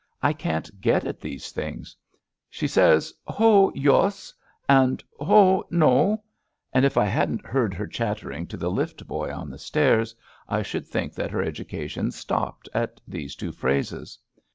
I can't get at these things. She says: *^ Ho, yuss,'' and ^* Ho, no,*' and if I hadn't heard her chattering to the lift boy on the stairs I should think that her education stopped at these two phrases.